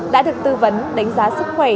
đã được tư vấn đánh giá sức khỏe